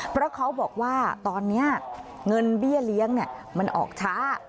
เพราะเขาบอกว่าตอนนี้เงินเบี้ยเลี้ยงมันออกช้า